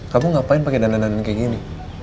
kamu ngapain pake dana dana kayak gini